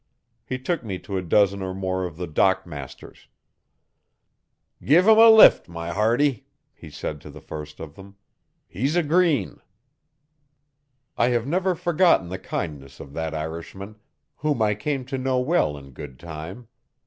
He took me to a dozen or more of the dock masters. 'Give 'im a lift, my hearty,' he said to the first of them. 'He's a green.' I have never forgotten the kindness of that Irishman, whom I came to know well in good time.